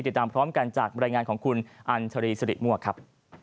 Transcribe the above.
เดี๋ยวตามพร้อมกันจากรายงานของคุณอันทรีศรีมวกครับ